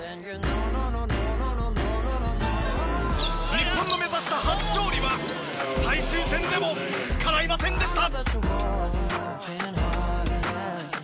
日本の目指した初勝利は最終戦でも叶いませんでした。